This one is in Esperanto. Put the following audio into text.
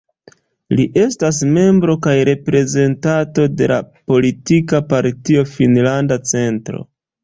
Li estas membro kaj reprezentanto de la politika partio Finnlanda Centro.